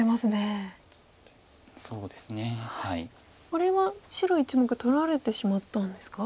これは白１目取られてしまったんですか？